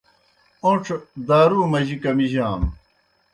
اوْن٘ڇَھوْ دارُو مجی کمِجانوْ۔